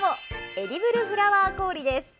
エディブルフラワー氷です。